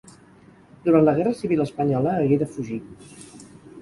Durant la guerra civil espanyola hagué de fugir.